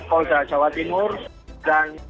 polda jawa timur dan